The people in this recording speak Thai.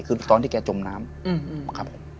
คือตอนที่แกจมน้ำครับผม